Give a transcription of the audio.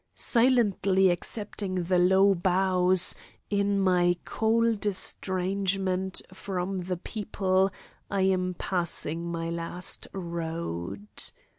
Silently accepting the low bows, in my cold estrangement from the people I am passing my last road.